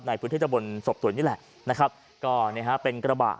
ในพื้นเทศบนศพส่วนนี้แหละนะครับก็เนี้ยฮะเป็นกระบะ